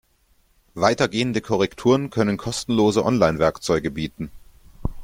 Weitergehende Korrekturen können kostenlose Online-Werkzeuge bieten.